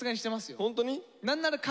ホントに？